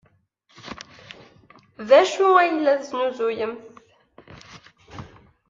D acu ay la tesnuzuyemt?